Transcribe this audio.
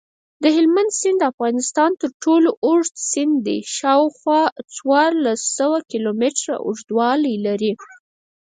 دهلمند سیند دافغانستان ترټولو اوږد سیند دی شاوخوا څوارلس سوه کیلومتره اوږدوالۍ لري.